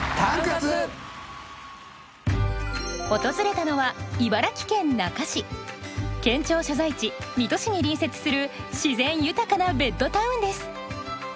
訪れたのは県庁所在地水戸市に隣接する自然豊かなベッドタウンです。